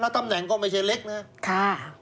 ตำแหน่งก็ไม่ใช่เล็กนะครับ